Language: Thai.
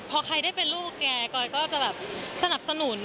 พอใครได้เป็นลูกแกก็จะสนับสนุน